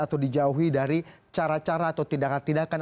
atau dijauhi dari cara cara atau tindakan tindakan